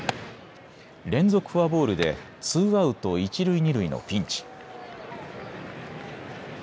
連続フォアボールでツーアウト一塁二塁のピンチ。